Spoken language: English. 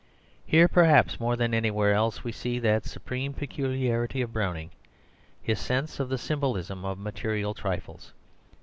Here perhaps more than anywhere else we see that supreme peculiarity of Browning his sense of the symbolism of material trifles.